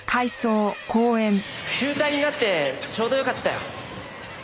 中退になってちょうどよかったよ。